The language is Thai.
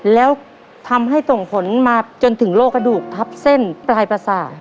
แล้วทำให้ส่งผลมาจนถึงโรคกระดูกทับเส้นปลายประสาท